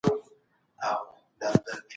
نړيوالي اړيکي د ډيپلوماټانو لخوا ساتل کېږي.